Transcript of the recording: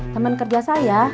temen kerja saya